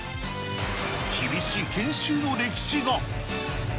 厳しい研修の歴史が。